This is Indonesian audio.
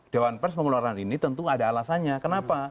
dewan pers mengeluarkan ini tentu ada alasannya kenapa